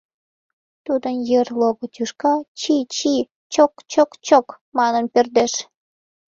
Тудын йыр лого тӱшка чи-чи чок-чок-чок! манын пӧрдеш.